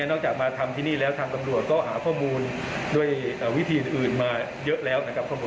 นอกจากมาทำที่นี่แล้วทางตำรวจก็หาข้อมูลด้วยวิธีอื่นมาเยอะแล้วนะครับ